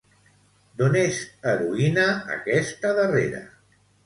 D'on és heroïna aquesta darrera?